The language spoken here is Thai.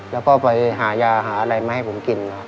แล้วก็ไปหายาหาอะไรมาให้ผมกิน